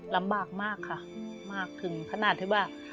ลำบากมากค่ะมากถึงขนาดที่ว่า